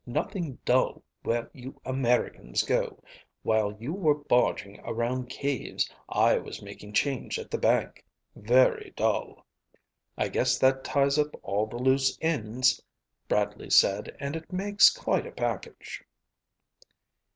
"Nothing dull where you Americans go. While you were barging around caves, I was making change at the bank. Very dull." "I guess that ties up all the loose ends," Bradley said. "And it makes quite a package."